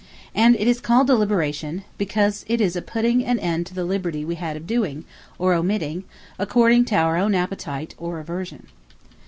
And it is called DELIBERATION; because it is a putting an end to the Liberty we had of doing, or omitting, according to our own Appetite, or Aversion.